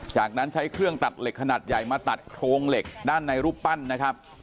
จากนั้นใช้เครื่องตัดเหล็กขนาดใหญ่มาตัดโครงเหล็กด้านในรูปปั้นนะครับ